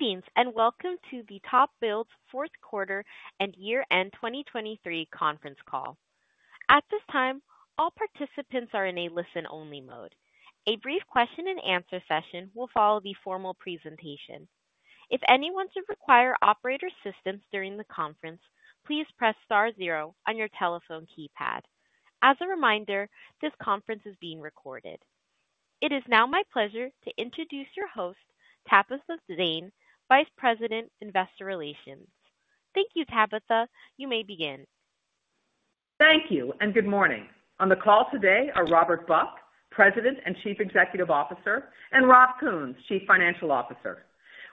Greetings, and welcome to TopBuild's fourth quarter and year-end 2023 conference call. At this time, all participants are in a listen-only mode. A brief question and answer session will follow the formal presentation. If anyone should require operator assistance during the conference, please press star zero on your telephone keypad. As a reminder, this conference is being recorded. It is now my pleasure to introduce your host, Tabitha Zane, Vice President, Investor Relations. Thank you, Tabitha. You may begin. Thank you, and good morning. On the call today are Robert Buck, President and Chief Executive Officer, and Rob Kuhns, Chief Financial Officer.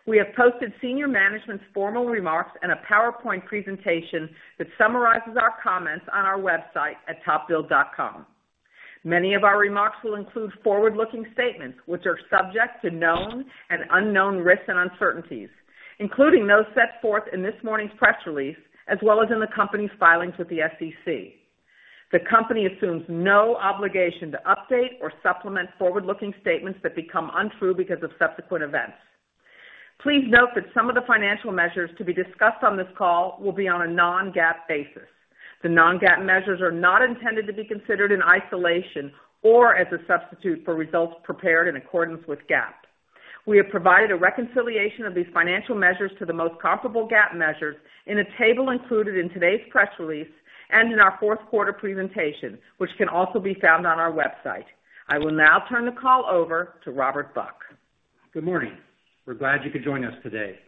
We have posted senior management's formal remarks and a PowerPoint presentation that summarizes our comments on our website at topbuild.com. Many of our remarks will include forward-looking statements, which are subject to known and unknown risks and uncertainties, including those set forth in this morning's press release, as well as in the company's filings with the SEC. The company assumes no obligation to update or supplement forward-looking statements that become untrue because of subsequent events. Please note that some of the financial measures to be discussed on this call will be on a non-GAAP basis. The non-GAAP measures are not intended to be considered in isolation or as a substitute for results prepared in accordance with GAAP. We have provided a reconciliation of these financial measures to the most comparable GAAP measures in a table included in today's press release and in our fourth quarter presentation, which can also be found on our website. I will now turn the call over to Robert Buck. Good morning. We're glad you could join us today.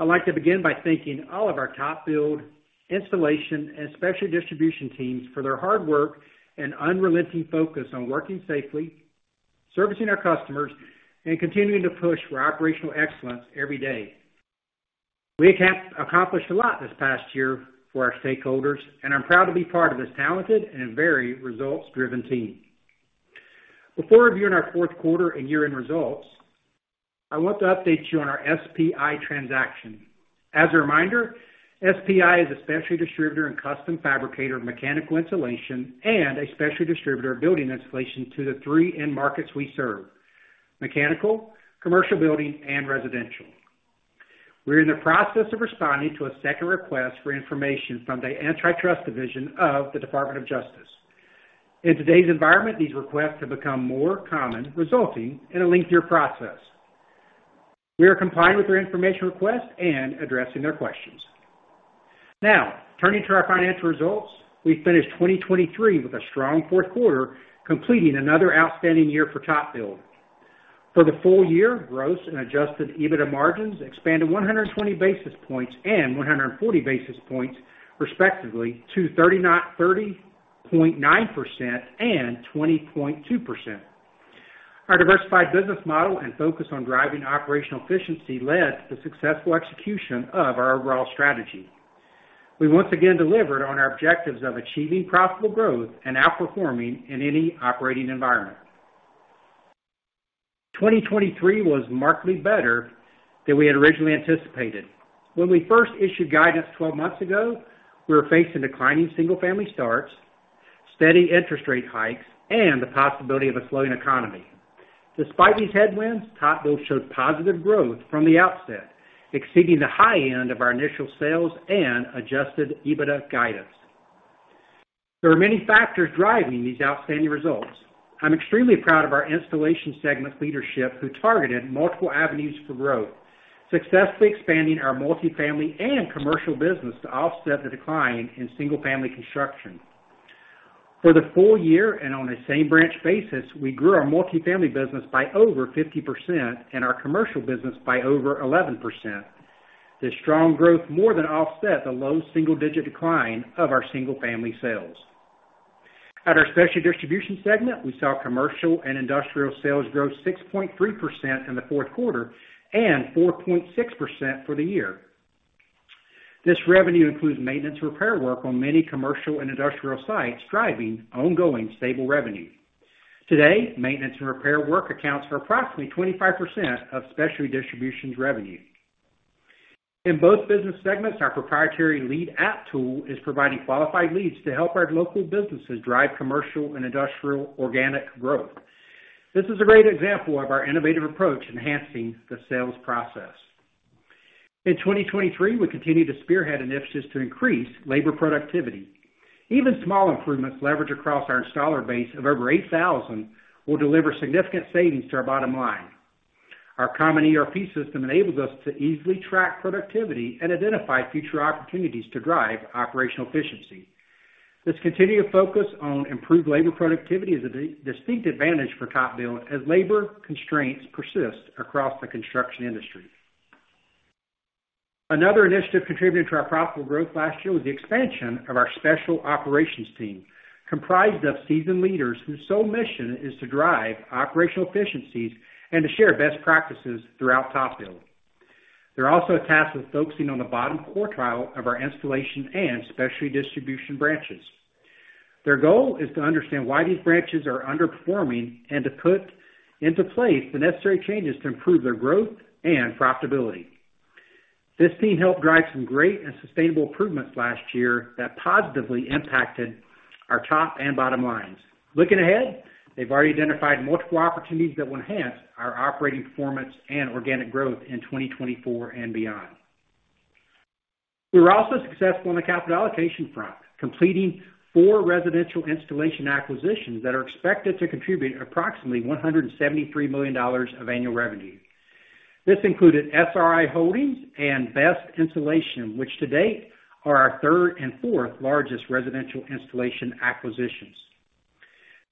I'd like to begin by thanking all of our TopBuild, installation, and specialty distribution teams for their hard work and unrelenting focus on working safely, servicing our customers, and continuing to push for operational excellence every day. We have accomplished a lot this past year for our stakeholders, and I'm proud to be part of this talented and very results-driven team. Before reviewing our fourth quarter and year-end results, I want to update you on our SPI transaction. As a reminder, SPI is a specialty distributor and custom fabricator of mechanical insulation and a specialty distributor of building insulation to the three end markets we serve: mechanical, commercial building, and residential. We're in the process of responding to a second request for information from the Antitrust Division of the Department of Justice. In today's environment, these requests have become more common, resulting in a lengthier process. We are complying with their information request and addressing their questions. Now, turning to our financial results. We finished 2023 with a strong fourth quarter, completing another outstanding year for TopBuild. For the full year, gross and adjusted EBITDA margins expanded 120 basis points and 140 basis points, respectively, to 30.9% and 20.2%. Our diversified business model and focus on driving operational efficiency led to successful execution of our overall strategy. We once again delivered on our objectives of achieving profitable growth and outperforming in any operating environment. 2023 was markedly better than we had originally anticipated. When we first issued guidance 12 months ago, we were facing declining single-family starts, steady interest rate hikes, and the possibility of a slowing economy. Despite these headwinds, TopBuild showed positive growth from the outset, exceeding the high end of our initial sales and Adjusted EBITDA guidance. There are many factors driving these outstanding results. I'm extremely proud of our installation segment leadership, who targeted multiple avenues for growth, successfully expanding our multifamily and commercial business to offset the decline in single-family construction. For the full year, and on a same branch basis, we grew our multifamily business by over 50% and our commercial business by over 11%. This strong growth more than offset the low single-digit decline of our single-family sales. At our Specialty Distribution segment, we saw commercial and industrial sales grow 6.3% in the fourth quarter and 4.6% for the year. This revenue includes maintenance repair work on many commercial and industrial sites, driving ongoing stable revenue. Today, maintenance and repair work accounts for approximately 25% of specialty distribution's revenue. In both business segments, our proprietary Lead App tool is providing qualified leads to help our local businesses drive commercial and industrial organic growth. This is a great example of our innovative approach enhancing the sales process. In 2023, we continued to spearhead initiatives to increase labor productivity. Even small improvements leveraged across our installer base of over 8,000 will deliver significant savings to our bottom line. Our common ERP system enables us to easily track productivity and identify future opportunities to drive operational efficiency. This continued focus on improved labor productivity is a distinct advantage for TopBuild as labor constraints persist across the construction industry. Another initiative contributing to our profitable growth last year was the expansion of our special operations team, comprised of seasoned leaders whose sole mission is to drive operational efficiencies and to share best practices throughout TopBuild. They're also tasked with focusing on the bottom quartile of our installation and specialty distribution branches. Their goal is to understand why these branches are underperforming and to put into place the necessary changes to improve their growth and profitability. This team helped drive some great and sustainable improvements last year that positively impacted our top and bottom lines. Looking ahead, they've already identified multiple opportunities that will enhance our operating performance and organic growth in 2024 and beyond. We were also successful on the capital allocation front, completing four residential installation acquisitions that are expected to contribute approximately $173 million of annual revenue. This included SRI Holdings and Best Insulation, which to date, are our third and fourth largest residential installation acquisitions.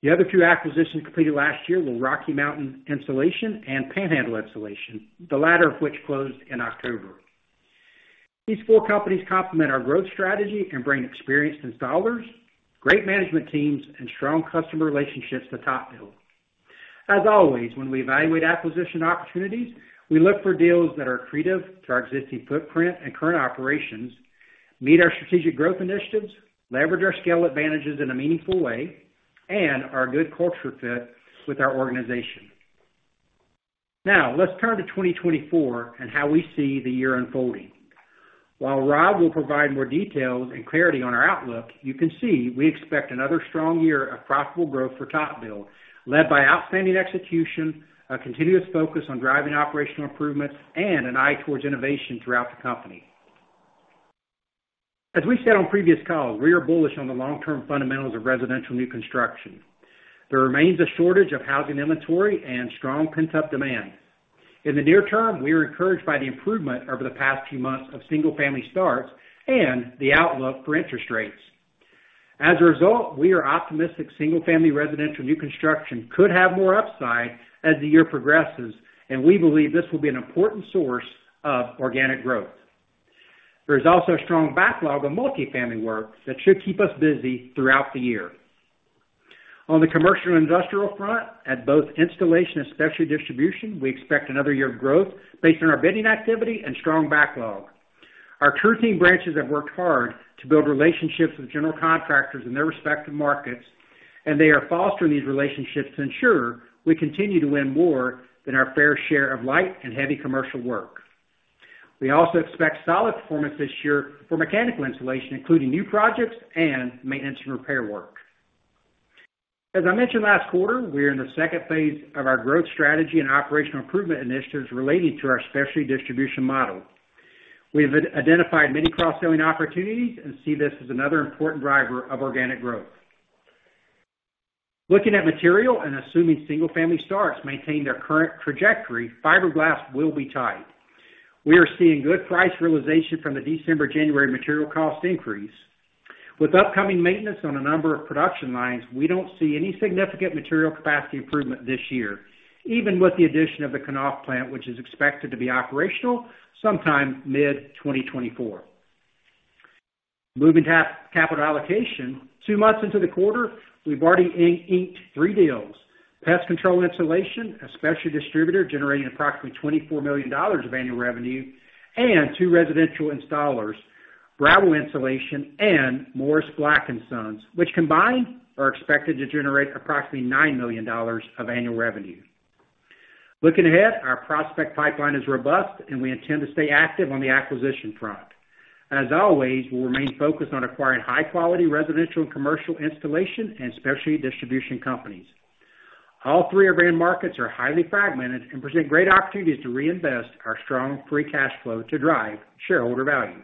The other two acquisitions completed last year were Rocky Mountain Insulation and Panhandle Insulation, the latter of which closed in October. These four companies complement our growth strategy and bring experienced installers, great management teams, and strong customer relationships to TopBuild. As always, when we evaluate acquisition opportunities, we look for deals that are accretive to our existing footprint and current operations, meet our strategic growth initiatives, leverage our scale advantages in a meaningful way, and are a good culture fit with our organization. Now, let's turn to 2024 and how we see the year unfolding. While Rob will provide more details and clarity on our outlook, you can see we expect another strong year of profitable growth for TopBuild, led by outstanding execution, a continuous focus on driving operational improvements, and an eye towards innovation throughout the company. As we've said on previous calls, we are bullish on the long-term fundamentals of residential new construction. There remains a shortage of housing inventory and strong pent-up demand. In the near term, we are encouraged by the improvement over the past few months of single-family starts and the outlook for interest rates. As a result, we are optimistic single-family residential new construction could have more upside as the year progresses, and we believe this will be an important source of organic growth. There is also a strong backlog of multifamily work that should keep us busy throughout the year. On the commercial and industrial front, at both installation and specialty distribution, we expect another year of growth based on our bidding activity and strong backlog. Our TruTeam branches have worked hard to build relationships with general contractors in their respective markets, and they are fostering these relationships to ensure we continue to win more than our fair share of light and heavy commercial work. We also expect solid performance this year for mechanical insulation, including new projects and maintenance and repair work. As I mentioned last quarter, we are in the second phase of our growth strategy and operational improvement initiatives relating to our specialty distribution model. We've identified many cross-selling opportunities and see this as another important driver of organic growth. Looking at material and assuming single-family starts maintain their current trajectory, fiberglass will be tight. We are seeing good price realization from the December, January material cost increase. With upcoming maintenance on a number of production lines, we don't see any significant material capacity improvement this year, even with the addition of the Knauf plant, which is expected to be operational sometime mid-2024. Moving to capital allocation, two months into the quarter, we've already inked three deals: Pest Control Insulation, a specialty distributor generating approximately $24 million of annual revenue, and two residential installers, Bravo Insulation and Morris Black & Sons, which combined, are expected to generate approximately $9 million of annual revenue. Looking ahead, our prospect pipeline is robust, and we intend to stay active on the acquisition front. As always, we'll remain focused on acquiring high-quality residential and commercial installation and specialty distribution companies. All three of our end markets are highly fragmented and present great opportunities to reinvest our strong free cash flow to drive shareholder value.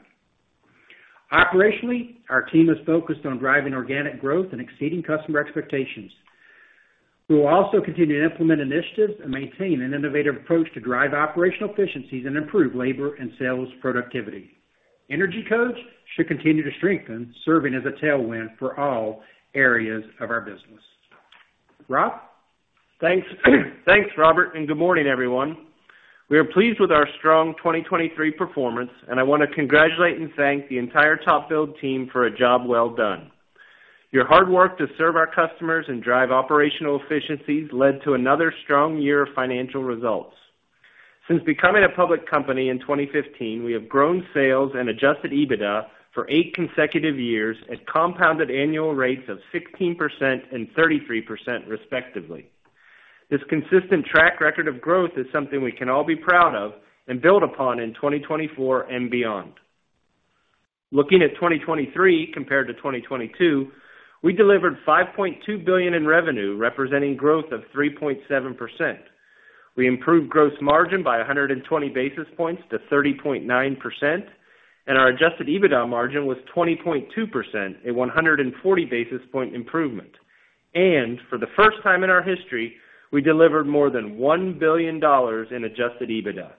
Operationally, our team is focused on driving organic growth and exceeding customer expectations. We will also continue to implement initiatives and maintain an innovative approach to drive operational efficiencies and improve labor and sales productivity. Energy codes should continue to strengthen, serving as a tailwind for all areas of our business. Rob? Thanks. Thanks, Robert, and good morning, everyone. We are pleased with our strong 2023 performance, and I wanna congratulate and thank the entire TopBuild team for a job well done. Your hard work to serve our customers and drive operational efficiencies led to another strong year of financial results. Since becoming a public company in 2015, we have grown sales and adjusted EBITDA for 8 consecutive years at compounded annual rates of 16% and 33%, respectively. This consistent track record of growth is something we can all be proud of and build upon in 2024 and beyond. Looking at 2023 compared to 2022, we delivered $5.2 billion in revenue, representing growth of 3.7%. We improved gross margin by 120 basis points to 30.9%, and our adjusted EBITDA margin was 20.2%, a 140 basis point improvement. For the first time in our history, we delivered more than $1 billion in adjusted EBITDA.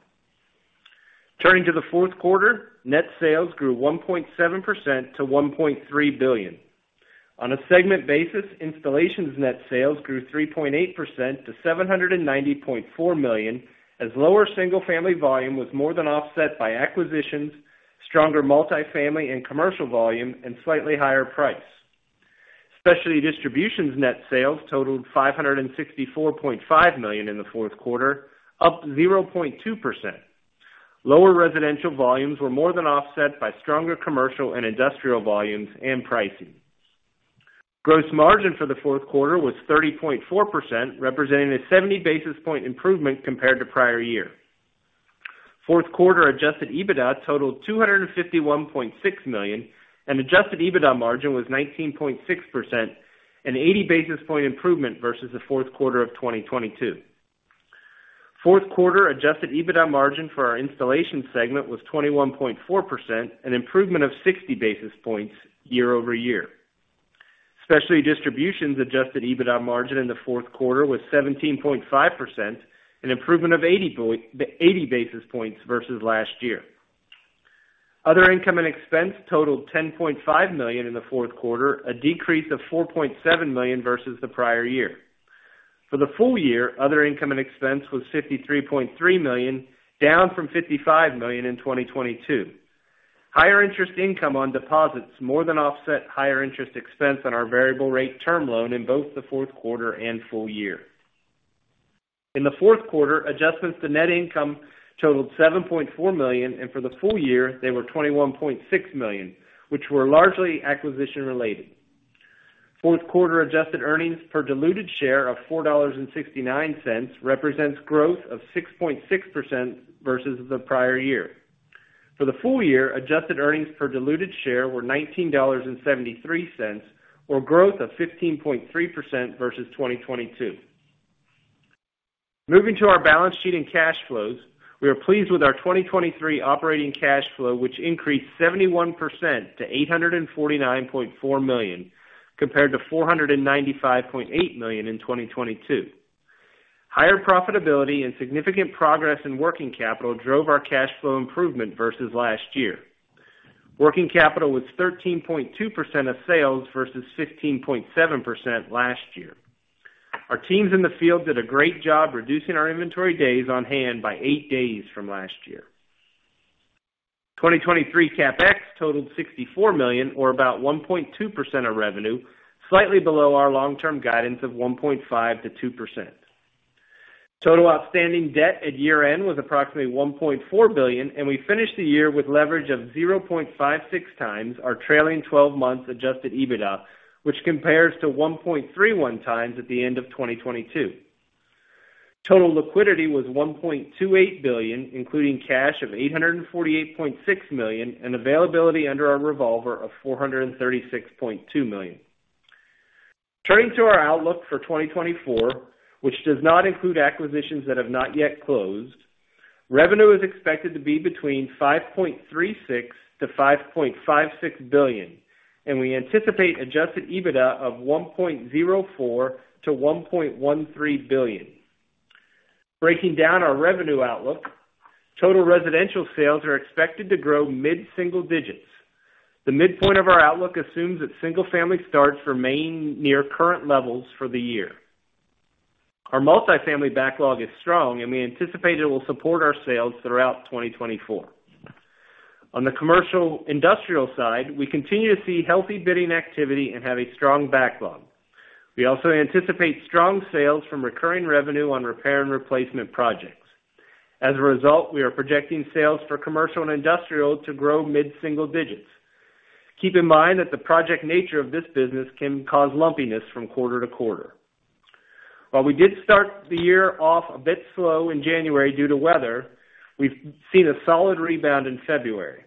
Turning to the fourth quarter, net sales grew 1.7% to $1.3 billion. On a segment basis, installations net sales grew 3.8% to $790.4 million, as lower single-family volume was more than offset by acquisitions, stronger multifamily and commercial volume, and slightly higher price. Specialty distributions net sales totaled $564.5 million in the fourth quarter, up 0.2%. Lower residential volumes were more than offset by stronger commercial and industrial volumes and pricing. Gross margin for the fourth quarter was 30.4%, representing a 70 basis point improvement compared to prior year. Fourth quarter Adjusted EBITDA totaled $251.6 million, and Adjusted EBITDA margin was 19.6%, an 80 basis point improvement versus the fourth quarter of 2022. Fourth quarter Adjusted EBITDA margin for our installation segment was 21.4%, an improvement of 60 basis points year-over-year. Specialty Distribution's Adjusted EBITDA margin in the fourth quarter was 17.5%, an improvement of 80 basis points versus last year. Other income and expense totaled $10.5 million in the fourth quarter, a decrease of $4.7 million versus the prior year. For the full year, other income and expense was $53.3 million, down from $55 million in 2022. Higher interest income on deposits more than offset higher interest expense on our variable rate term loan in both the fourth quarter and full year. In the fourth quarter, adjustments to net income totaled $7.4 million, and for the full year, they were $21.6 million, which were largely acquisition-related. Fourth quarter adjusted earnings per diluted share of $4.69 represents growth of 6.6% versus the prior year. For the full year, adjusted earnings per diluted share were $19.73, or growth of 15.3% versus 2022. Moving to our balance sheet and cash flows, we are pleased with our 2023 operating cash flow, which increased 71% to $849.4 million, compared to $495.8 million in 2022. Higher profitability and significant progress in working capital drove our cash flow improvement versus last year. Working capital was 13.2% of sales versus 15.7% last year. Our teams in the field did a great job reducing our inventory days on hand by 8 days from last year. 2023 CapEx totaled $64 million, or about 1.2% of revenue, slightly below our long-term guidance of 1.5%-2%. Total outstanding debt at year-end was approximately $1.4 billion, and we finished the year with leverage of 0.56x our trailing twelve months Adjusted EBITDA, which compares to 1.31x at the end of 2022. Total liquidity was $1.28 billion, including cash of $848.6 million, and availability under our revolver of $436.2 million. Turning to our outlook for 2024, which does not include acquisitions that have not yet closed, revenue is expected to be between $5.36-$5.56 billion, and we anticipate Adjusted EBITDA of $1.04-$1.13 billion. Breaking down our revenue outlook, total residential sales are expected to grow mid-single digits. The midpoint of our outlook assumes that single-family starts remain near current levels for the year. Our multifamily backlog is strong, and we anticipate it will support our sales throughout 2024. On the commercial industrial side, we continue to see healthy bidding activity and have a strong backlog. We also anticipate strong sales from recurring revenue on repair and replacement projects. As a result, we are projecting sales for commercial and industrial to grow mid-single digits. Keep in mind that the project nature of this business can cause lumpiness from quarter to quarter. While we did start the year off a bit slow in January due to weather, we've seen a solid rebound in February.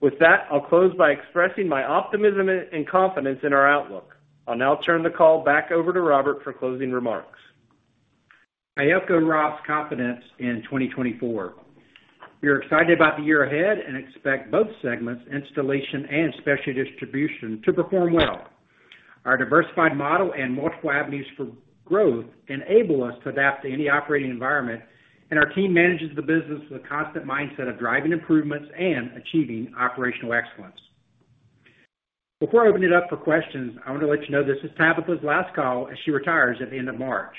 With that, I'll close by expressing my optimism and, and confidence in our outlook. I'll now turn the call back over to Robert for closing remarks. I echo Rob's confidence in 2024. We are excited about the year ahead and expect both segments, installation and specialty distribution, to perform well. Our diversified model and multiple avenues for growth enable us to adapt to any operating environment, and our team manages the business with a constant mindset of driving improvements and achieving operational excellence. Before I open it up for questions, I want to let you know this is Tabitha's last call as she retires at the end of March.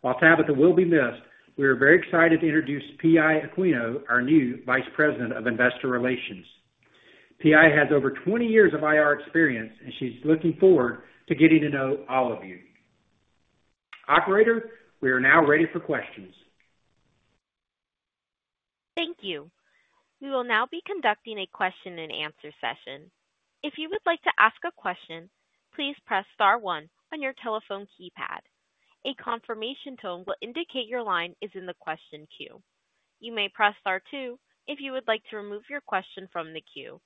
While Tabitha will be missed, we are very excited to introduce Pie Aquino, our new Vice President of Investor Relations. Pie has over 20 years of IR experience, and she's looking forward to getting to know all of you. Operator, we are now ready for questions. Thank you. We will now be conducting a question-and-answer session. If you would like to ask a question, please press star one on your telephone keypad. A confirmation tone will indicate your line is in the question queue. You may press star two if you would like to remove your question from the queue.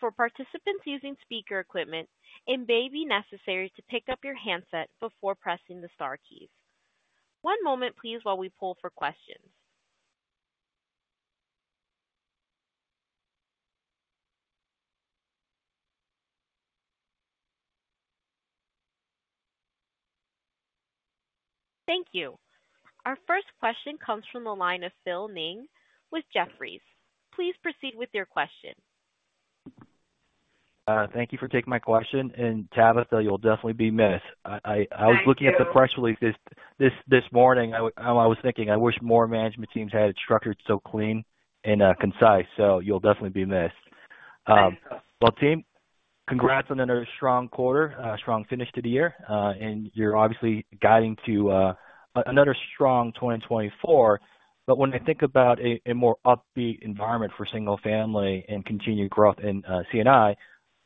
For participants using speaker equipment, it may be necessary to pick up your handset before pressing the star keys. One moment, please, while we pull for questions. Thank you. Our first question comes from the line of Phil Ng with Jefferies. Please proceed with your question. Thank you for taking my question, and Tabitha, you'll definitely be missed. Thank you. I was looking at the press release this morning. I was thinking, I wish more management teams had it structured so clean and concise, so you'll definitely be missed. Thank you. Well, team? Congrats on another strong quarter, strong finish to the year. And you're obviously guiding to another strong 2024. But when I think about a more upbeat environment for single family and continued growth in C&I,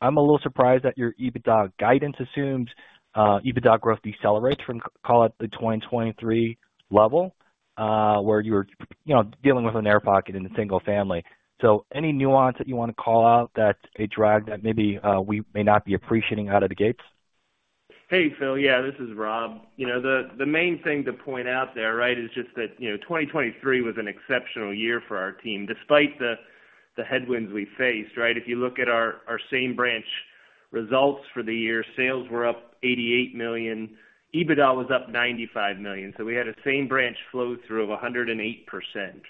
I'm a little surprised that your EBITDA guidance assumes EBITDA growth decelerates from, call it, the 2023 level, where you were, you know, dealing with an air pocket in the single family. So any nuance that you want to call out, that's a drag that maybe we may not be appreciating out of the gates? Hey, Phil. Yeah, this is Rob. You know, the main thing to point out there, right, is just that, you know, 2023 was an exceptional year for our team, despite the headwinds we faced, right? If you look at our same branch results for the year, sales were up $88 million. EBITDA was up $95 million, so we had a same branch flow-through of 108%,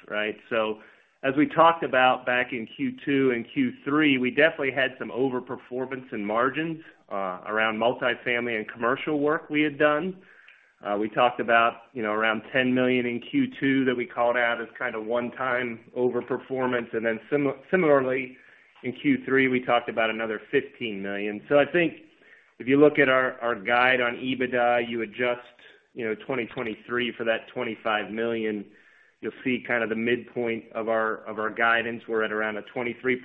right? So as we talked about back in Q2 and Q3, we definitely had some overperformance in margins around multifamily and commercial work we had done. We talked about, you know, around $10 million in Q2 that we called out as kind of one-time overperformance. And then similarly, in Q3, we talked about another $15 million. So I think if you look at our, our guide on EBITDA, you adjust, you know, 2023 for that $25 million, you'll see kind of the midpoint of our, of our guidance. We're at around a 23%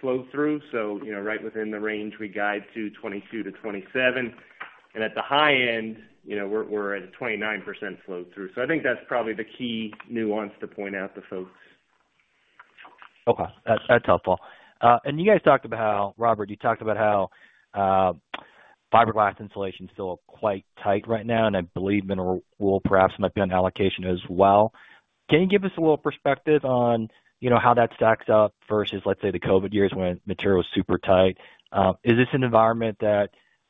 flow-through, so, you know, right within the range, we guide to 22%-27%. And at the high end, you know, we're, we're at a 29% flow-through. So I think that's probably the key nuance to point out to folks. Okay. That's, that's helpful. And you guys talked about how... Robert, you talked about how fiberglass insulation is still quite tight right now, and I believe mineral wool perhaps might be on allocation as well. Can you give us a little perspective on, you know, how that stacks up versus, let's say, the COVID years when material was super tight? Is this an environment that,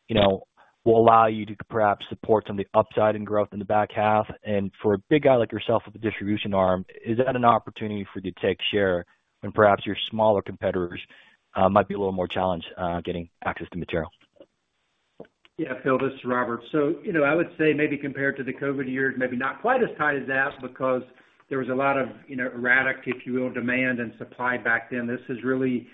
you know, will allow you to perhaps support some of the upside in growth in the back half? And for a big guy like yourself with a distribution arm, is that an opportunity for you to take share when perhaps your smaller competitors might be a little more challenged getting access to material? Yeah, Phil, this is Robert. So, you know, I would say maybe compared to the COVID years, maybe not quite as tight as that because there was a lot of, you know, erratic, if you will, demand and supply back then. This is really...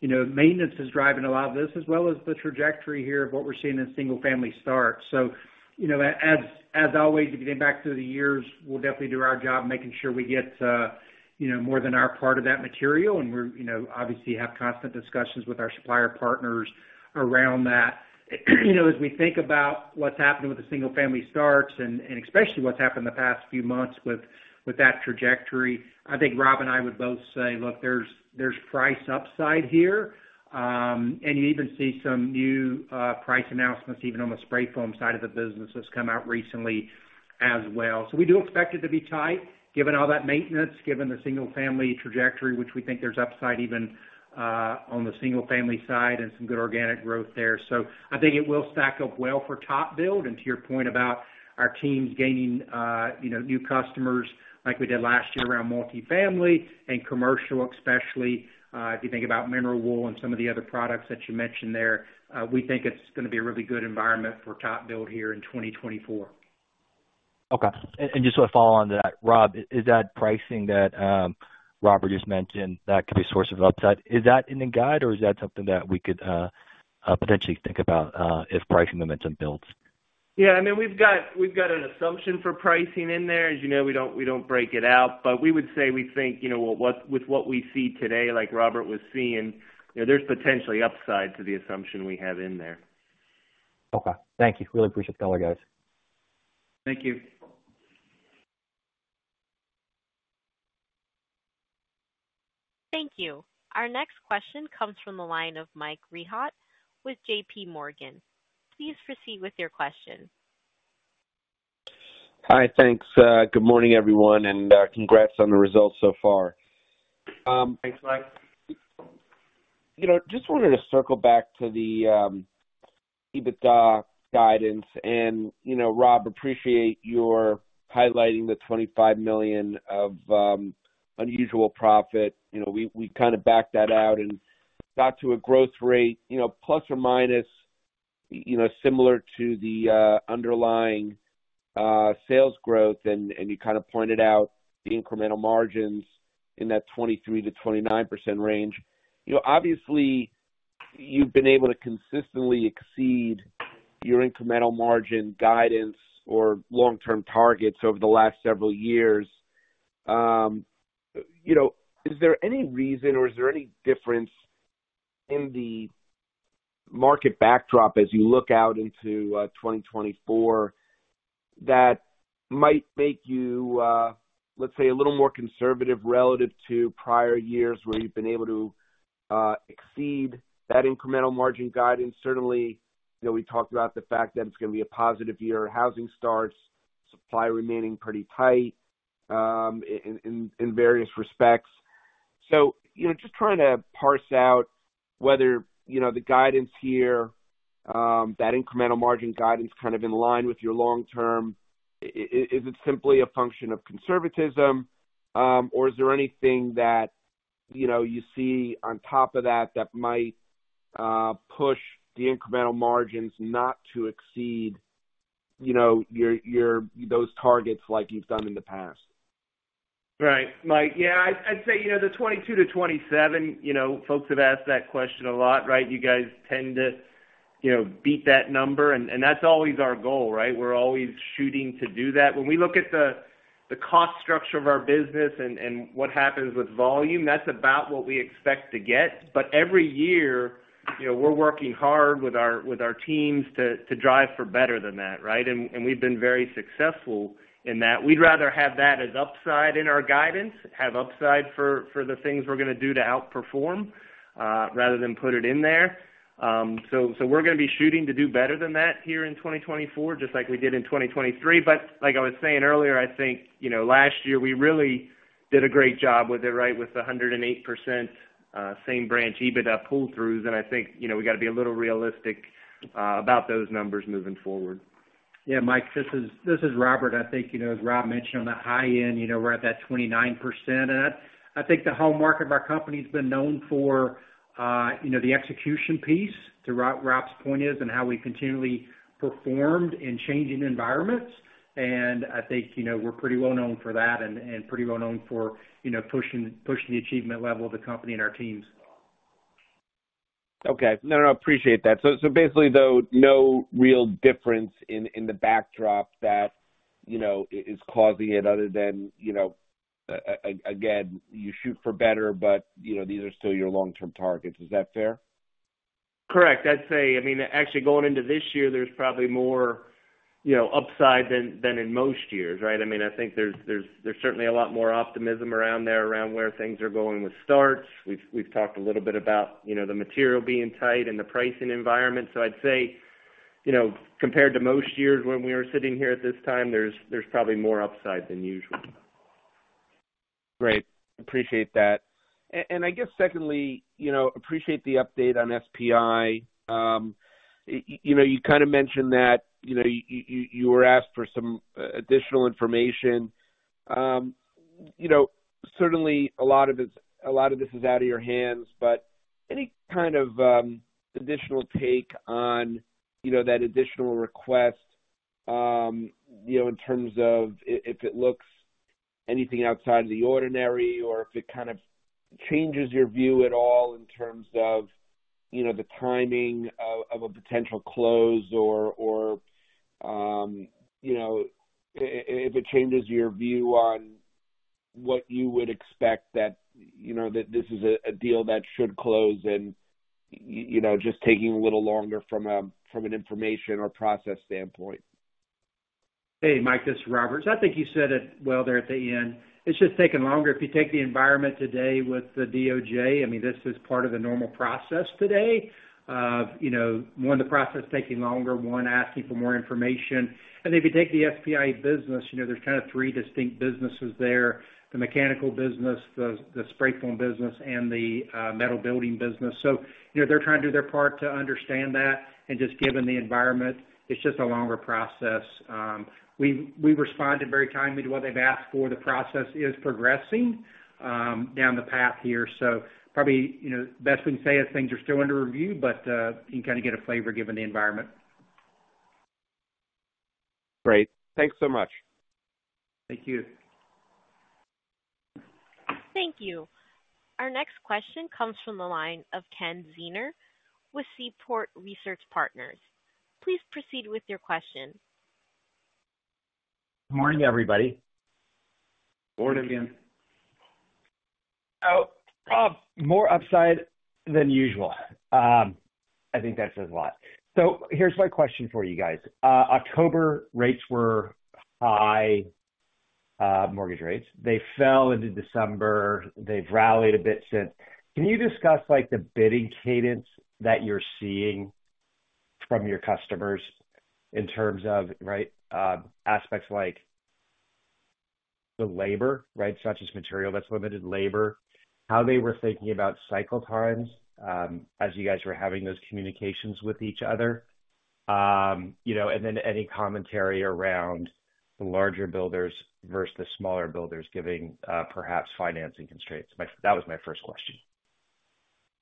You know, maintenance is driving a lot of this as well as the trajectory here of what we're seeing in single family starts. So, you know, as always, if you get back through the years, we'll definitely do our job making sure we get, you know, more than our part of that material. And we're, you know, obviously have constant discussions with our supplier partners around that. You know, as we think about what's happening with the single family starts and especially what's happened in the past few months with that trajectory, I think Rob and I would both say, look, there's price upside here. And you even see some new price announcements, even on the spray foam side of the business that's come out recently as well. So we do expect it to be tight, given all that maintenance, given the single family trajectory, which we think there's upside even on the single family side and some good organic growth there. So I think it will stack up well for TopBuild. To your point about our teams gaining, you know, new customers like we did last year around multifamily and commercial, especially, if you think about mineral wool and some of the other products that you mentioned there, we think it's gonna be a really good environment for TopBuild here in 2024. Okay. And just to follow on to that, Rob, is that pricing that Robert just mentioned, that could be a source of upside? Is that in the guide, or is that something that we could potentially think about if pricing momentum builds? Yeah, I mean, we've got, we've got an assumption for pricing in there. As you know, we don't, we don't break it out, but we would say we think, you know, what, with what we see today, like Robert was seeing, you know, there's potentially upside to the assumption we have in there. Okay. Thank you. Really appreciate the color, guys. Thank you. Thank you. Our next question comes from the line of Michael Rehaut with JPMorgan. Please proceed with your question. Hi, thanks. Good morning, everyone, and, congrats on the results so far. Thanks, Mike. You know, just wanted to circle back to the EBITDA guidance, and, you know, Rob, appreciate your highlighting the $25 million of unusual profit. You know, we kind of backed that out and got to a growth rate, you know, plus or minus, you know, similar to the underlying sales growth, and you kind of pointed out the incremental margins in that 23%-29% range. You know, obviously, you've been able to consistently exceed your incremental margin guidance or long-term targets over the last several years. You know, is there any reason or is there any difference in the market backdrop as you look out into 2024, that might make you, let's say, a little more conservative relative to prior years where you've been able to exceed that incremental margin guidance? Certainly, you know, we talked about the fact that it's gonna be a positive year, housing starts, supply remaining pretty tight in various respects. So, you know, just trying to parse out whether, you know, the guidance here that incremental margin guidance kind of in line with your long term. Is it simply a function of conservatism, or is there anything that, you know, you see on top of that, that might push the incremental margins not to exceed, you know, your those targets like you've done in the past? ... Right, Mike. Yeah, I'd say, you know, the 22-27, you know, folks have asked that question a lot, right? You guys tend to, you know, beat that number, and that's always our goal, right? We're always shooting to do that. When we look at the cost structure of our business and what happens with volume, that's about what we expect to get. But every year, you know, we're working hard with our teams to drive for better than that, right? And we've been very successful in that. We'd rather have that as upside in our guidance, have upside for the things we're going to do to outperform, rather than put it in there. So we're going to be shooting to do better than that here in 2024, just like we did in 2023. But like I was saying earlier, I think, you know, last year, we really did a great job with it, right? With the 108%, same branch EBITDA pull-throughs, and I think, you know, we got to be a little realistic, about those numbers moving forward. Yeah, Mike, this is, this is Robert. I think, you know, as Rob mentioned, on the high end, you know, we're at that 29%, and I, I think the whole market of our company has been known for, you know, the execution piece, to Rob's point is, and how we continually performed in changing environments. And I think, you know, we're pretty well known for that and, and pretty well known for, you know, pushing, pushing the achievement level of the company and our teams. Okay. No, no, I appreciate that. So basically, though, no real difference in the backdrop that, you know, is causing it other than, you know, again, you shoot for better, but, you know, these are still your long-term targets. Is that fair? Correct. I'd say, I mean, actually, going into this year, there's probably more, you know, upside than in most years, right? I mean, I think there's certainly a lot more optimism around where things are going with starts. We've talked a little bit about, you know, the material being tight and the pricing environment. So I'd say, you know, compared to most years when we were sitting here at this time, there's probably more upside than usual. Great. Appreciate that. And I guess secondly, you know, appreciate the update on SPI. You know, you kind of mentioned that, you know, you were asked for some additional information. You know, certainly a lot of this is out of your hands, but any kind of additional take on, you know, that additional request, you know, in terms of if it looks anything outside of the ordinary or if it kind of changes your view at all in terms of, you know, the timing of a potential close or, you know, if it changes your view on what you would expect that, you know, that this is a deal that should close and, you know, just taking a little longer from an information or process standpoint. Hey, Mike, this is Robert. I think you said it well there at the end. It's just taking longer. If you take the environment today with the DOJ, I mean, this is part of the normal process today. You know, one, the process is taking longer, one, asking for more information. And if you take the SPI business, you know, there's kind of three distinct businesses there: the mechanical business, the spray foam business, and the metal building business. So, you know, they're trying to do their part to understand that, and just given the environment, it's just a longer process. We responded very timely to what they've asked for. The process is progressing down the path here. So probably, you know, best we can say is things are still under review, but you can kind of get a flavor given the environment. Great. Thanks so much. Thank you. Thank you. Our next question comes from the line of Ken Zener with Seaport Research Partners. Please proceed with your question. Good morning, everybody. Good morning again. Rob, more upside than usual. I think that says a lot. So here's my question for you guys. October rates were high, mortgage rates. They fell into December. They've rallied a bit since. Can you discuss, like, the bidding cadence that you're seeing from your customers in terms of, right, aspects like the labor, right? Such as material, that's limited labor. How they were thinking about cycle times, as you guys were having those communications with each other? You know, and then any commentary around the larger builders versus the smaller builders giving, perhaps financing constraints. That was my first question.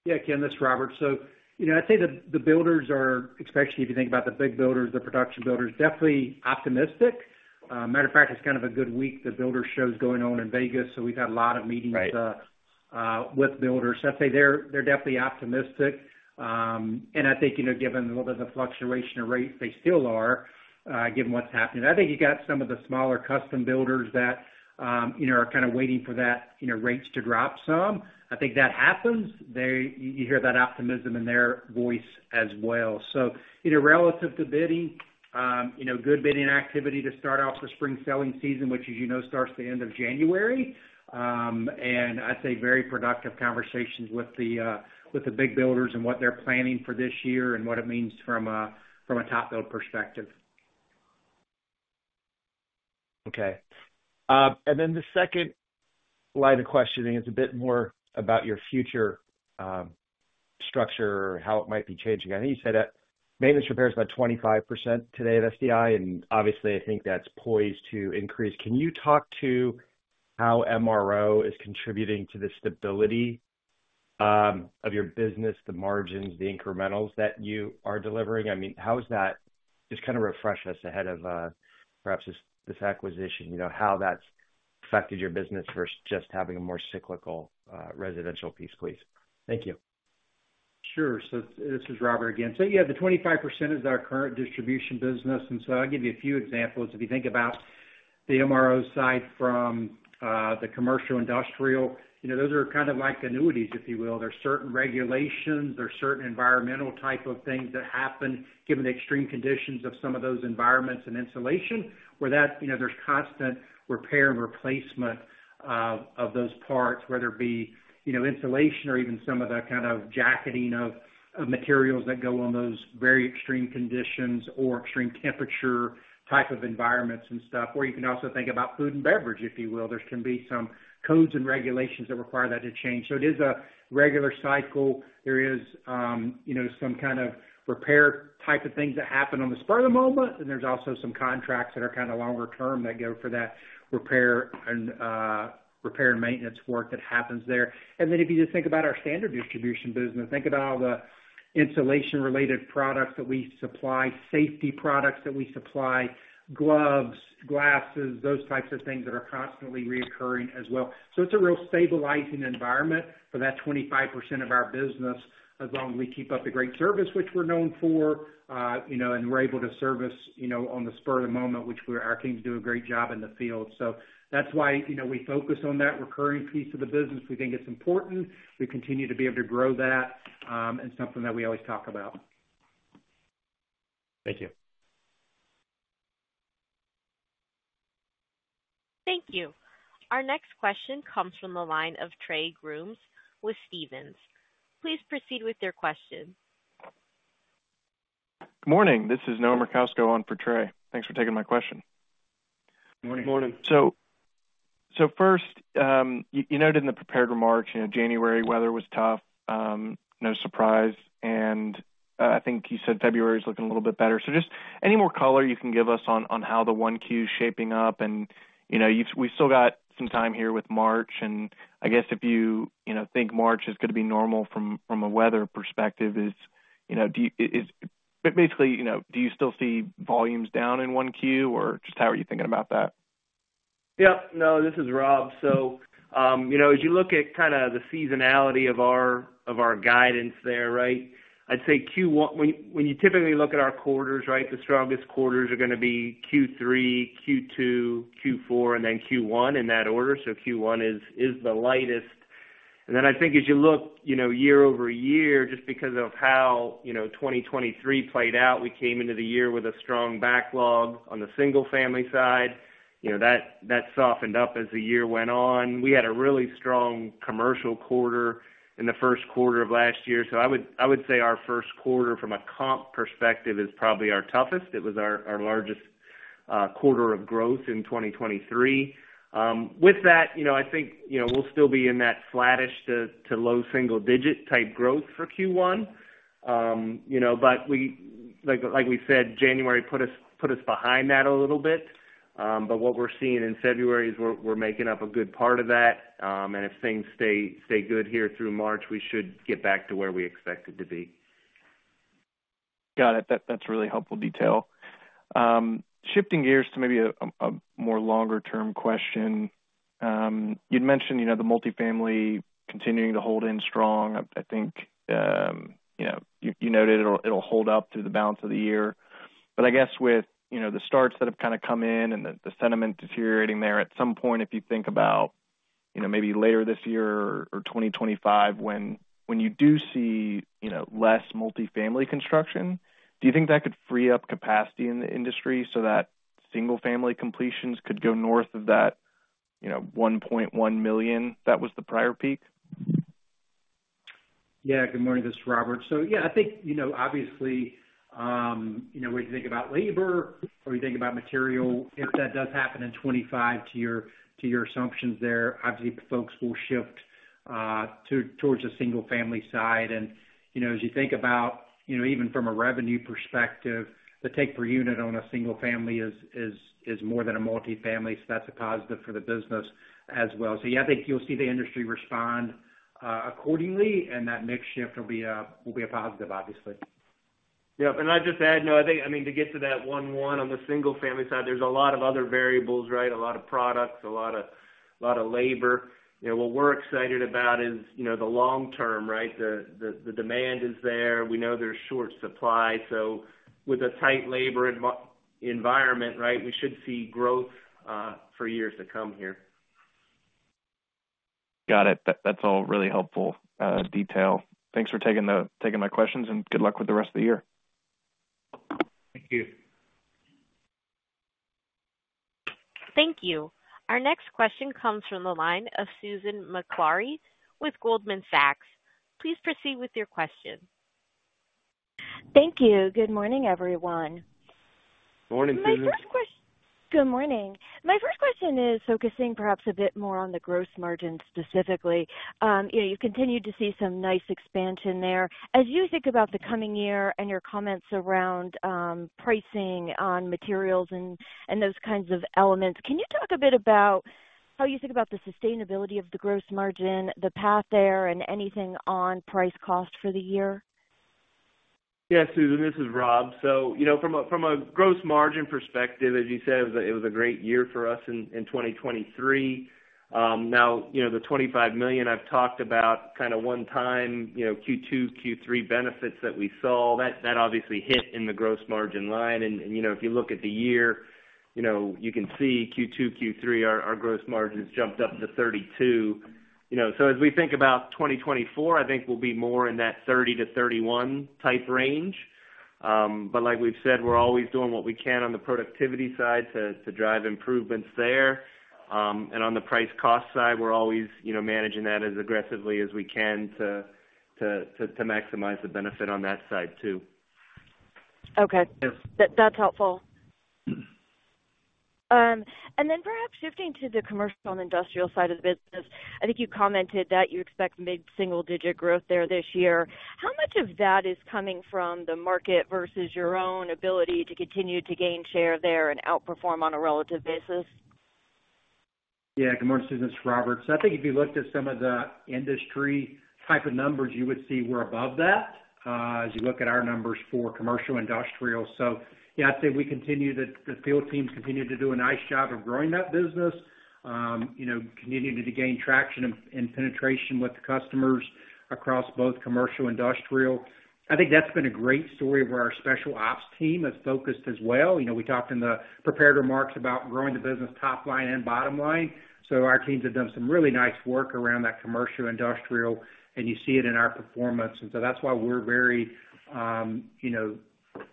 Yeah, Ken, this is Robert. So, you know, I'd say the builders are, especially if you think about the big builders, the production builders, definitely optimistic. Matter of fact, it's kind of a good week, the builder show is going on in Vegas, so we've had a lot of meetings- Right... with builders. I'd say they're, they're definitely optimistic. And I think, you know, given a little bit of the fluctuation of rates, they still are, given what's happening. I think you got some of the smaller custom builders that, you know, are kind of waiting for that, you know, rates to drop some. I think that happens, they-- you hear that optimism in their voice as well. So, you know, relative to bidding, you know, good bidding activity to start off the spring selling season, which, as you know, starts the end of January. And I'd say very productive conversations with the, with the big builders and what they're planning for this year and what it means from a, from a TopBuild perspective. Okay. And then the second line of questioning is a bit more about your future structure, how it might be changing. I think you said that maintenance repair is about 25% today at SDI, and obviously, I think that's poised to increase. Can you talk to how MRO is contributing to the stability?... of your business, the margins, the incrementals that you are delivering? I mean, how is that just kind of refresh us ahead of, perhaps this, this acquisition, you know, how that's affected your business versus just having a more cyclical, residential piece, please. Thank you. Sure. So this is Robert again. So yeah, the 25% is our current distribution business, and so I'll give you a few examples. If you think about the MRO side from the commercial industrial, you know, those are kind of like annuities, if you will. There are certain regulations or certain environmental type of things that happen given the extreme conditions of some of those environments and insulation, where that, you know, there's constant repair and replacement of those parts, whether it be, you know, insulation or even some of the kind of jacketing of materials that go on those very extreme conditions or extreme temperature type of environments and stuff. Or you can also think about food and beverage, if you will. There can be some codes and regulations that require that to change. So it is a regular cycle. There is, you know, some kind of repair type of things that happen on the spur of the moment, and there's also some contracts that are kind of longer term that go for that repair and, repair and maintenance work that happens there. And then, if you just think about our standard distribution business, think about all the insulation-related products that we supply, safety products that we supply, gloves, glasses, those types of things that are constantly recurring as well. So it's a real stabilizing environment for that 25% of our business as long as we keep up the great service which we're known for, you know, and we're able to service, you know, on the spur of the moment, which our teams do a great job in the field. So that's why, you know, we focus on that recurring piece of the business. We think it's important. We continue to be able to grow that, and something that we always talk about. Thank you. Thank you. Our next question comes from the line of Trey Grooms with Stephens. Please proceed with your question. Good morning. This is Noah Merkousko on for Trey. Thanks for taking my question. Good morning. Good morning. So first, you noted in the prepared remarks, you know, January weather was tough, no surprise, and I think you said February is looking a little bit better. So just any more color you can give us on how the 1Q is shaping up and, you know, we've still got some time here with March, and I guess if you, you know, think March is gonna be normal from a weather perspective, but basically, you know, do you still see volumes down in 1Q, or just how are you thinking about that? Yeah. No, this is Rob. So, you know, as you look at kind of the seasonality of our, of our guidance there, right? I'd say Q1. When, when you typically look at our quarters, right, the strongest quarters are gonna be Q3, Q2, Q4, and then Q1 in that order, so Q1 is, is the lightest. And then I think as you look, you know, year-over-year, just because of how, you know, 2023 played out, we came into the year with a strong backlog on the single-family side. You know, that, that softened up as the year went on. We had a really strong commercial quarter in the first quarter of last year, so I would, I would say our first quarter, from a comp perspective, is probably our toughest. It was our, our largest, quarter of growth in 2023. With that, you know, I think, you know, we'll still be in that flattish to low single digit type growth for Q1. You know, but we, like we said, January put us behind that a little bit. But what we're seeing in February is we're making up a good part of that, and if things stay good here through March, we should get back to where we expect it to be. Got it. That, that's really helpful detail. Shifting gears to maybe a more longer-term question. You'd mentioned, you know, the multifamily continuing to hold in strong. I think, you know, you noted it'll hold up through the balance of the year. But I guess with, you know, the starts that have kind of come in and the sentiment deteriorating there, at some point, if you think about, you know, maybe later this year or 2025, when you do see, you know, less multifamily construction, do you think that could free up capacity in the industry so that single-family completions could go north of that, you know, 1.1 million? That was the prior peak. Yeah. Good morning. This is Robert. So yeah, I think, you know, obviously, you know, when you think about labor or you think about material, if that does happen in 2025 to your assumptions there, obviously folks will shift towards the single family side. And, you know, as you think about, you know, even from a revenue perspective, the take per unit on a single family is more than a multifamily, so that's a positive for the business as well. So yeah, I think you'll see the industry respond accordingly, and that mix shift will be a positive, obviously. Yeah, and I'd just add, no, I think, I mean, to get to that one-one on the single family side, there's a lot of other variables, right? A lot of products, a lot of labor. You know, what we're excited about is, you know, the long term, right? The demand is there. We know there's short supply, so with a tight labor environment, right, we should see growth for years to come here. Got it. That's all really helpful detail. Thanks for taking my questions, and good luck with the rest of the year. Thank you. Thank you. Our next question comes from the line of Susan Maklari with Goldman Sachs. Please proceed with your question. Thank you. Good morning, everyone. Morning, Susan. Good morning. My first question is focusing perhaps a bit more on the gross margin specifically. You know, you continued to see some nice expansion there. As you think about the coming year and your comments around pricing on materials and those kinds of elements, can you talk a bit about how you think about the sustainability of the gross margin, the path there, and anything on price cost for the year? ... Yeah, Susan, this is Rob. So, you know, from a gross margin perspective, as you said, it was a great year for us in 2023. Now, you know, the $25 million I've talked about kind of one time, you know, Q2, Q3 benefits that we saw, that obviously hit in the gross margin line. And, you know, if you look at the year, you know, you can see Q2, Q3, our gross margins jumped up to 32%. So as we think about 2024, I think we'll be more in that 30%-31% type range. But like we've said, we're always doing what we can on the productivity side to drive improvements there. On the price cost side, we're always, you know, managing that as aggressively as we can to maximize the benefit on that side too. Okay. Yes. That's helpful. And then perhaps shifting to the commercial and industrial side of the business, I think you commented that you expect mid-single digit growth there this year. How much of that is coming from the market versus your own ability to continue to gain share there and outperform on a relative basis? Yeah. Good morning, Susan, this is Robert. So I think if you looked at some of the industry type of numbers, you would see we're above that, as you look at our numbers for commercial industrial. So yeah, I'd say we continue to, the field teams continue to do a nice job of growing that business, you know, continuing to gain traction and, and penetration with the customers across both commercial industrial. I think that's been a great story where our special ops team has focused as well. You know, we talked in the prepared remarks about growing the business top line and bottom line. So our teams have done some really nice work around that commercial industrial, and you see it in our performance. And so that's why we're very, you know,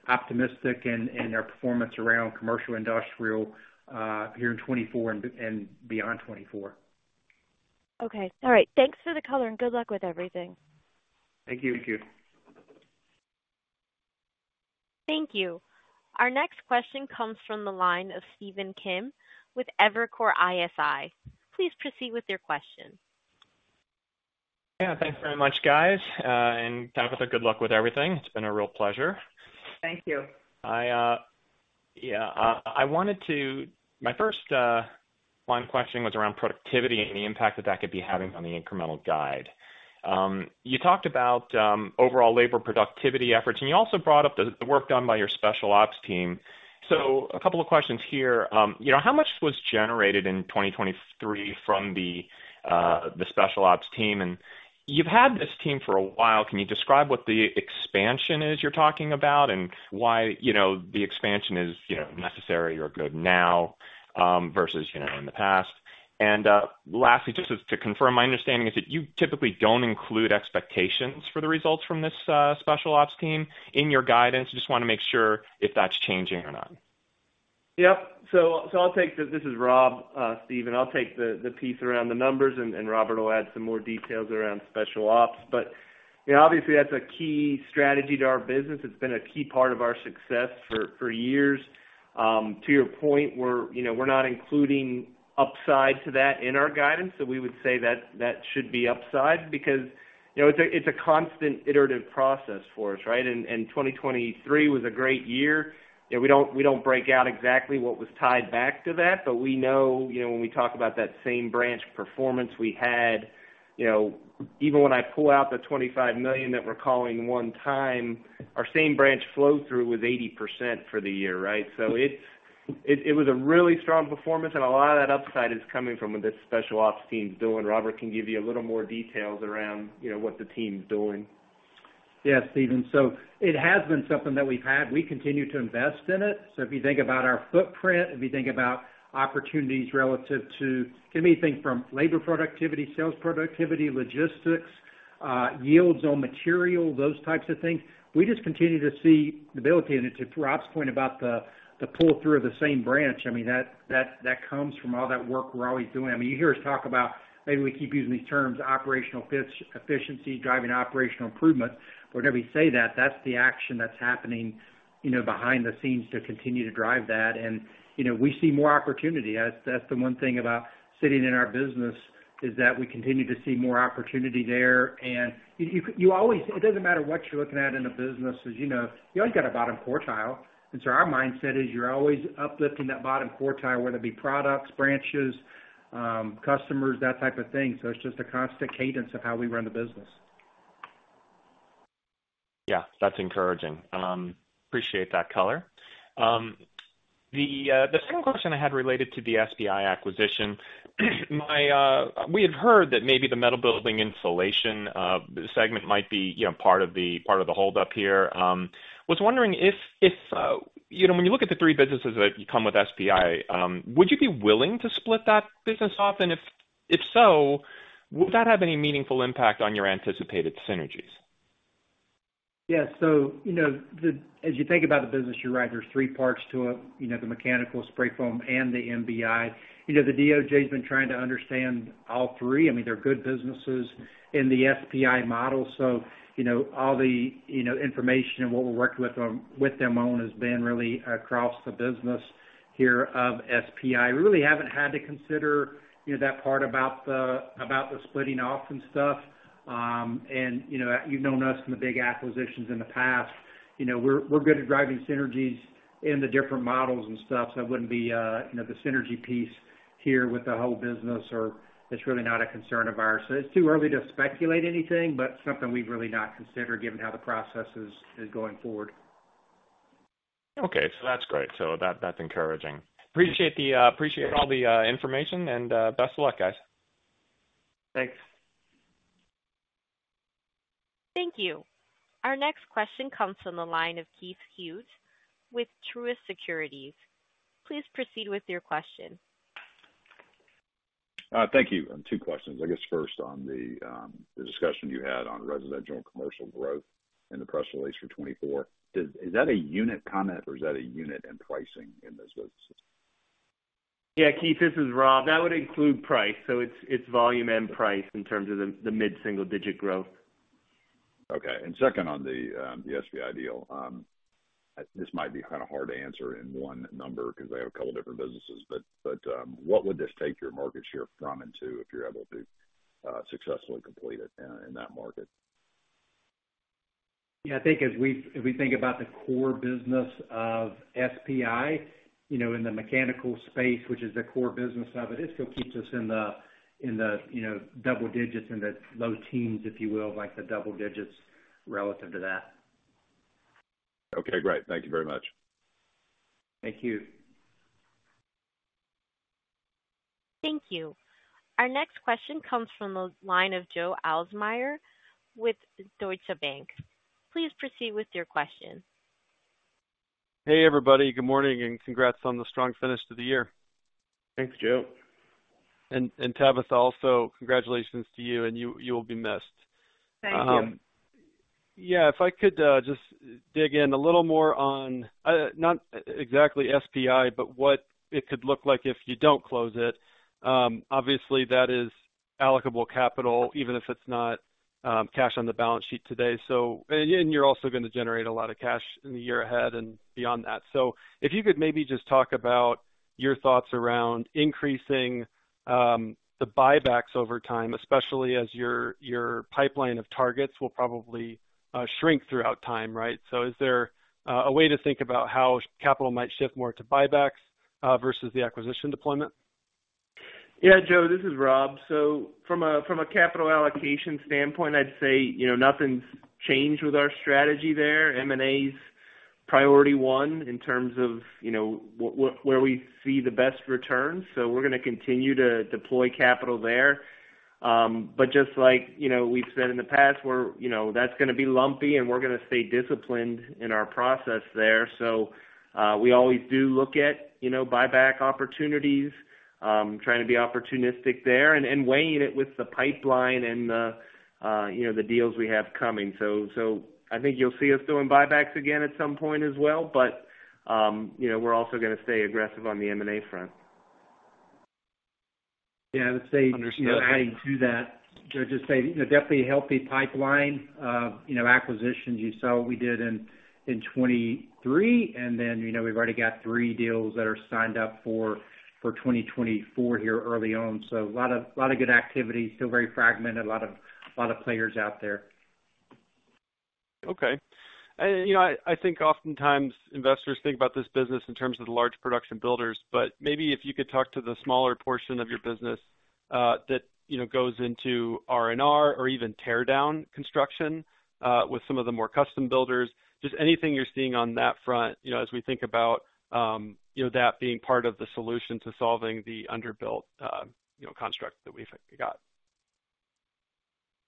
optimistic in our performance around commercial industrial here in 2024 and beyond 2024. Okay. All right. Thanks for the color, and good luck with everything. Thank you. Thank you. Thank you. Our next question comes from the line of Stephen Kim with Evercore ISI. Please proceed with your question. Yeah, thanks very much, guys, and kind of a good luck with everything. It's been a real pleasure. Thank you. I wanted to—my first line of questioning was around productivity and the impact that that could be having on the incremental guide. You talked about overall labor productivity efforts, and you also brought up the work done by your special ops team. So a couple of questions here. You know, how much was generated in 2023 from the special ops team? And you've had this team for a while. Can you describe what the expansion is you're talking about and why, you know, the expansion is, you know, necessary or good now, versus, you know, in the past? And lastly, just to confirm, my understanding is that you typically don't include expectations for the results from this special ops team in your guidance. I just wanna make sure if that's changing or not. Yep. So, this is Rob Kuhns. I'll take the piece around the numbers, and Robert will add some more details around specialty ops. But, you know, obviously, that's a key strategy to our business. It's been a key part of our success for years. To your point, we're, you know, we're not including upside to that in our guidance. So we would say that should be upside because, you know, it's a constant iterative process for us, right? 2023 was a great year, and we don't break out exactly what was tied back to that, but we know, you know, when we talk about that same branch performance we had, you know, even when I pull out the $25 million that we're calling one time, our same branch flow through was 80% for the year, right? So it was a really strong performance, and a lot of that upside is coming from what this special ops team is doing. Robert can give you a little more details around, you know, what the team's doing. Yeah, Steven. So it has been something that we've had. We continue to invest in it. So if you think about our footprint, if you think about opportunities relative to anything from labor productivity, sales productivity, logistics, yields on material, those types of things, we just continue to see the ability. And to Rob's point about the pull-through of the same branch, I mean, that comes from all that work we're always doing. I mean, you hear us talk about maybe we keep using these terms, operational efficiency, driving operational improvement. Whenever we say that, that's the action that's happening, you know, behind the scenes to continue to drive that. And, you know, we see more opportunity. That's the one thing about sitting in our business, is that we continue to see more opportunity there. And you always—it doesn't matter what you're looking at in a business, as you know, you always got a bottom quartile. And so our mindset is you're always uplifting that bottom quartile, whether it be products, branches, customers, that type of thing. So it's just a constant cadence of how we run the business. Yeah, that's encouraging. Appreciate that color. The second question I had related to the SPI acquisition. We had heard that maybe the metal building insulation segment might be, you know, part of the hold-up here. Was wondering if, you know, when you look at the three businesses that come with SPI, would you be willing to split that business off? And if so, would that have any meaningful impact on your anticipated synergies? Yeah. So, you know, as you think about the business, you're right, there's three parts to it: you know, the mechanical, spray foam, and the MBI. You know, the DOJ has been trying to understand all three. I mean, they're good businesses in the SPI model, so, you know, all the information and what we're working with them on has been really across the business here of SPI. We really haven't had to consider, you know, that part about the splitting off and stuff. And, you know, you've known us from the big acquisitions in the past. You know, we're good at driving synergies in the different models and stuff, so it wouldn't be, you know, the synergy piece here with the whole business or it's really not a concern of ours. It's too early to speculate anything, but something we've really not considered, given how the process is, is going forward.... Okay, so that's great. So that's encouraging. Appreciate all the information, and best of luck, guys. Thanks. Thank you. Our next question comes from the line of Keith Hughes with Truist Securities. Please proceed with your question. Thank you. Two questions. I guess first on the discussion you had on residential and commercial growth in the press release for 2024. Is that a unit comment or is that a unit and pricing in those businesses? Yeah, Keith, this is Rob. That would include price, so it's, it's volume and price in terms of the, the mid-single digit growth. Okay. And second, on the SPI deal, this might be kind of hard to answer in one number because they have a couple different businesses, but what would this take your market share from and to if you're able to successfully complete it in that market? Yeah, I think as we think about the core business of SPI, you know, in the mechanical space, which is the core business of it, it still keeps us in the, you know, double digits, in the low teens, if you will, like the double digits relative to that. Okay, great. Thank you very much. Thank you. Thank you. Our next question comes from the line of Joe Ahlersmeier with Deutsche Bank. Please proceed with your question. Hey, everybody. Good morning, and congrats on the strong finish to the year. Thanks, Joe. And Tabitha, also, congratulations to you, and you will be missed. Thank you. Yeah, if I could just dig in a little more on not exactly SPI, but what it could look like if you don't close it. Obviously, that is allocable capital, even if it's not cash on the balance sheet today. So, you're also going to generate a lot of cash in the year ahead and beyond that. So if you could maybe just talk about your thoughts around increasing the buybacks over time, especially as your pipeline of targets will probably shrink throughout time, right? So is there a way to think about how capital might shift more to buybacks versus the acquisition deployment? Yeah, Joe, this is Rob. So from a capital allocation standpoint, I'd say, you know, nothing's changed with our strategy there. M&A's priority one in terms of, you know, where we see the best returns, so we're gonna continue to deploy capital there. But just like, you know, we've said in the past, we're, you know, that's gonna be lumpy, and we're gonna stay disciplined in our process there. So we always do look at, you know, buyback opportunities, trying to be opportunistic there and weighing it with the pipeline and the, you know, the deals we have coming. So I think you'll see us doing buybacks again at some point as well. But, you know, we're also gonna stay aggressive on the M&A front. Yeah, I would say, adding to that, just say definitely a healthy pipeline. You know, acquisitions, you saw what we did in, in 2023, and then, you know, we've already got three deals that are signed up for, for 2024 here early on. So a lot of, lot of good activity, still very fragmented, a lot of, lot of players out there. Okay. You know, I think oftentimes investors think about this business in terms of the large production builders, but maybe if you could talk to the smaller portion of your business, that, you know, goes into R&R or even teardown construction, with some of the more custom builders. Just anything you're seeing on that front, you know, as we think about, you know, that being part of the solution to solving the underbuilt, you know, construct that we've got.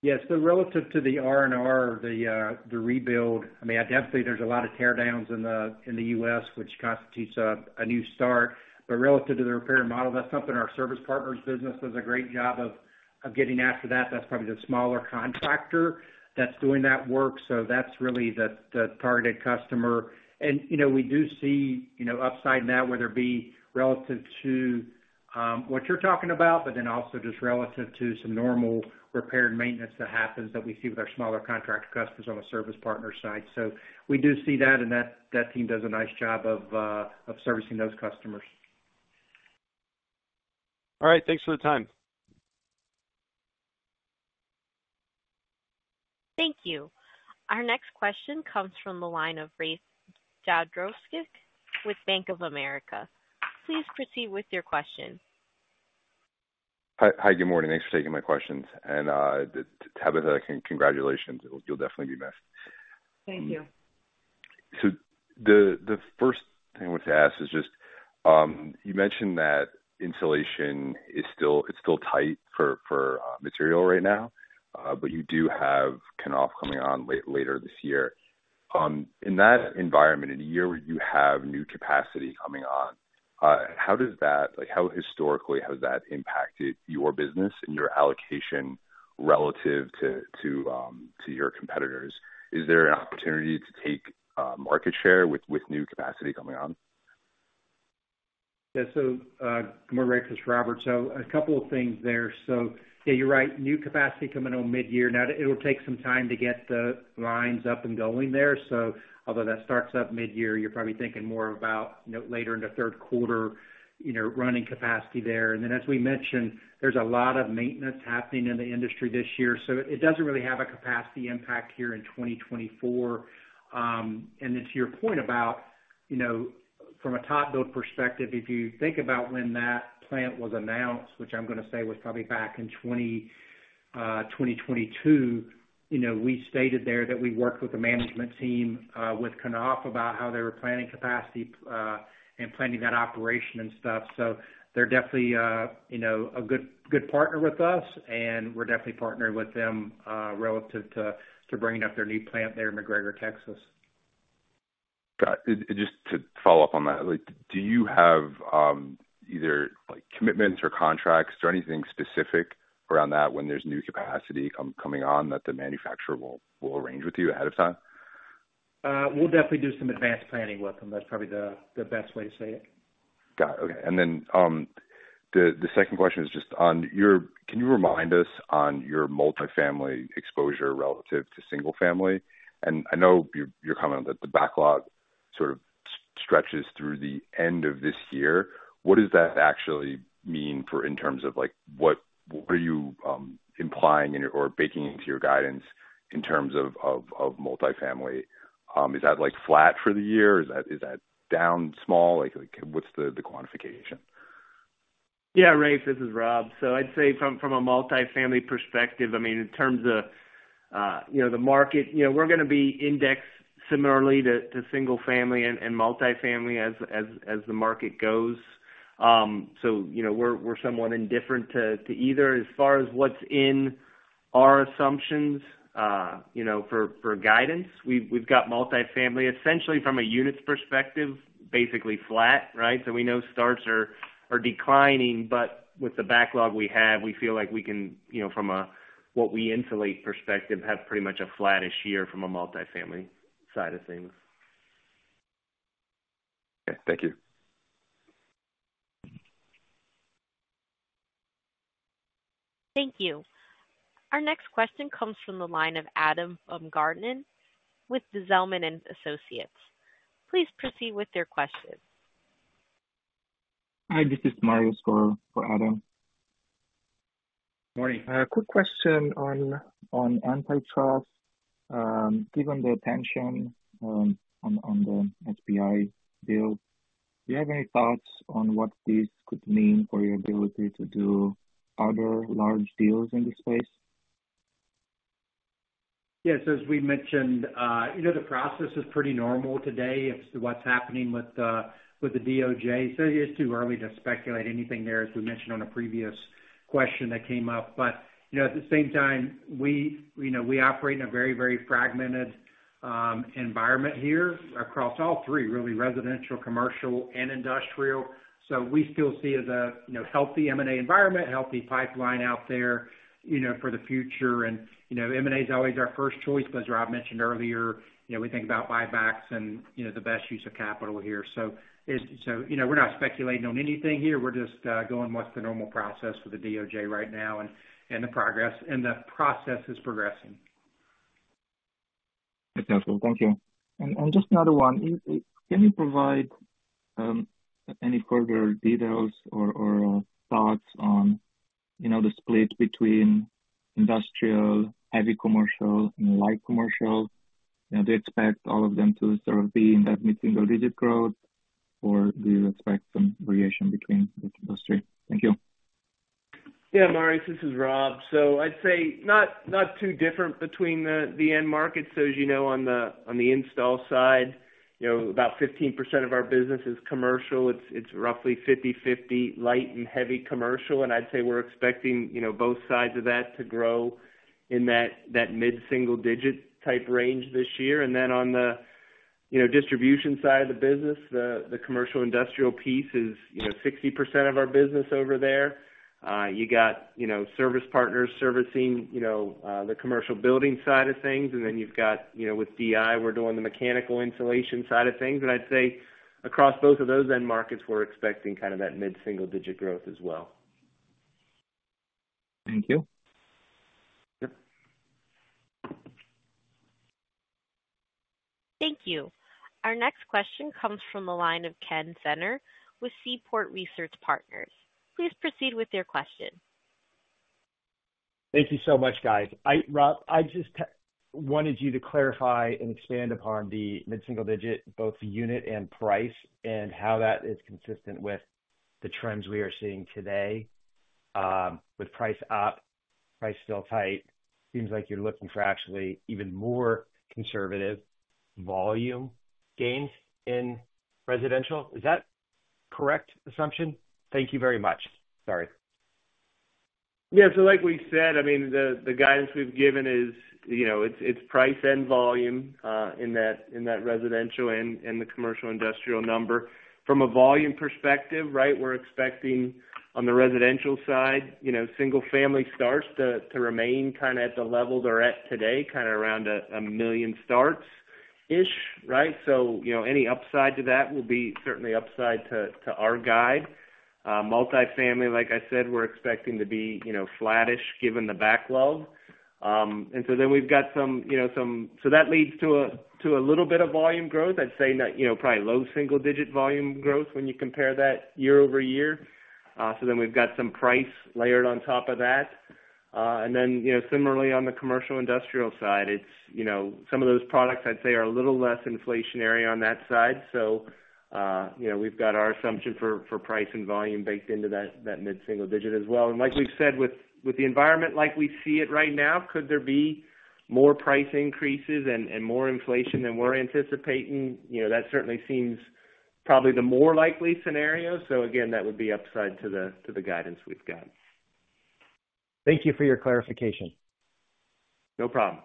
Yeah, so relative to the R&R, the rebuild, I mean, definitely there's a lot of teardowns in the U.S., which constitutes a new start. But relative to the repair model, that's something our Service Partners business does a great job of getting after that. That's probably the smaller contractor that's doing that work. So that's really the target customer. And, you know, we do see, you know, upside in that, whether it be relative to what you're talking about, but then also just relative to some normal repair and maintenance that happens that we see with our smaller contractor customers on the Service Partners side. So we do see that, and that team does a nice job of servicing those customers. All right. Thanks for the time. Thank you. Our next question comes from the line of Rafe Jadrosich with Bank of America. Please proceed with your question. Hi. Hi, good morning. Thanks for taking my questions. And, Tabitha, congratulations. You'll definitely be missed. Thank you. So the first thing I want to ask is just, you mentioned that insulation is still, it's still tight for material right now, but you do have kickoff coming on later this year. In that environment, in a year where you have new capacity coming on, how does that—like, how historically has that impacted your business and your allocation relative to your competitors? Is there an opportunity to take market share with new capacity coming on? Yeah. So, good morning, Ray. This is Robert. So a couple of things there. So, yeah, you're right, new capacity coming on midyear. Now, it will take some time to get the lines up and going there. So although that starts up midyear, you're probably thinking more about, you know, later in the third quarter, you know, running capacity there. And then, as we mentioned, there's a lot of maintenance happening in the industry this year, so it, it doesn't really have a capacity impact here in 2024. And then to your point about, you know-... From a TopBuild perspective, if you think about when that plant was announced, which I'm gonna say was probably back in 2022, you know, we stated there that we worked with the management team, with Knauf about how they were planning capacity, and planning that operation and stuff. So they're definitely, you know, a good, good partner with us, and we're definitely partnering with them, relative to, to bringing up their new plant there in McGregor, Texas. Got it. Just to follow up on that, like, do you have either, like, commitments or contracts or anything specific around that when there's new capacity coming on that the manufacturer will arrange with you ahead of time? We'll definitely do some advanced planning with them. That's probably the best way to say it. Got it. Okay. And then, the second question is just on your—can you remind us on your multifamily exposure relative to single family? And I know your comment that the backlog sort of stretches through the end of this year. What does that actually mean for in terms of, like, what are you implying in your or baking into your guidance in terms of multifamily? Is that, like, flat for the year, or is that down small? Like, what's the quantification? Yeah, Ray, this is Rob. So I'd say from a multifamily perspective, I mean, in terms of, you know, the market, you know, we're gonna be indexed similarly to single family and multifamily as the market goes. So, you know, we're somewhat indifferent to either. As far as what's in our assumptions, you know, for guidance, we've got multifamily essentially from a units perspective, basically flat, right? So we know starts are declining, but with the backlog we have, we feel like we can, you know, from a what we insulate perspective, have pretty much a flattish year from a multifamily side of things. Okay, thank you. Thank you. Our next question comes from the line of Adam Baumgarten with Zelman & Associates. Please proceed with your question. Hi, this is Marius for Adam. Morning. Quick question on antitrust. Given the attention on the FBI bill, do you have any thoughts on what this could mean for your ability to do other large deals in this space? Yes, as we mentioned, you know, the process is pretty normal today as to what's happening with, with the DOJ, so it's too early to speculate anything there, as we mentioned on a previous question that came up. But, you know, at the same time, we, you know, we operate in a very, very fragmented, environment here across all three, really, residential, commercial, and industrial. So we still see it as a, you know, healthy M&A environment, healthy pipeline out there, you know, for the future. And, you know, M&A is always our first choice, but as Rob mentioned earlier, you know, we think about buybacks and, you know, the best use of capital here. So, you know, we're not speculating on anything here. We're just, going what's the normal process for the DOJ right now and, and the progress... and the process is progressing. Excellent. Thank you. And just another one. Can you provide any further details or thoughts on, you know, the split between industrial, heavy commercial, and light commercial? You know, do you expect all of them to sort of be in that mid-single digit growth, or do you expect some variation between each industry? Thank you. Yeah, Marius, this is Rob. So I'd say not too different between the end markets. So as you know, on the install side, you know, about 15% of our business is commercial. It's roughly 50/50, light and heavy commercial, and I'd say we're expecting, you know, both sides of that to grow in that mid-single digit type range this year. And then on the, you know, distribution side of the business, the commercial industrial piece is, you know, 60% of our business over there. You got, you know, Service Partners servicing, you know, the commercial building side of things, and then you've got, you know, with DI, we're doing the mechanical insulation side of things. And I'd say across both of those end markets, we're expecting kind of that mid-single digit growth as well. Thank you. Yep. Thank you. Our next question comes from the line of Ken Zener with Seaport Research Partners. Please proceed with your question. Thank you so much, guys. I, Rob, I just wanted you to clarify and expand upon the mid-single digit, both the unit and price, and how that is consistent with the trends we are seeing today. With price up, price still tight, seems like you're looking for actually even more conservative volume gains in residential. Is that correct assumption? Thank you very much. Sorry. Yeah, so like we said, I mean, the guidance we've given is, you know, it's price and volume in that residential and the commercial industrial number. From a volume perspective, right, we're expecting on the residential side, you know, single family starts to remain kind at the level they're at today, kind of around 1 million starts-ish, right? So, you know, any upside to that will be certainly upside to our guide. Multifamily, like I said, we're expecting to be, you know, flattish given the backlog. So that leads to a little bit of volume growth. I'd say that, you know, probably low single digit volume growth when you compare that year-over-year. So then we've got some price layered on top of that. And then, you know, similarly on the commercial industrial side, it's, you know, some of those products I'd say are a little less inflationary on that side. So, you know, we've got our assumption for, for price and volume baked into that, that mid-single digit as well. And like we've said, with, with the environment like we see it right now, could there be more price increases and, and more inflation than we're anticipating? You know, that certainly seems probably the more likely scenario. So again, that would be upside to the, to the guidance we've got. Thank you for your clarification. No problem.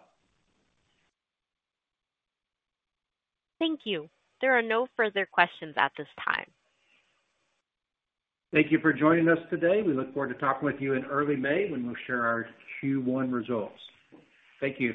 Thank you. There are no further questions at this time. Thank you for joining us today. We look forward to talking with you in early May when we'll share our Q1 results. Thank you.